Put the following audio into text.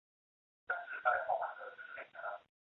南圣克里斯托旺是巴西圣卡塔琳娜州的一个市镇。